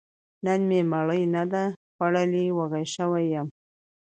نن مې مړۍ نه ده خوړلې، وږی شوی يم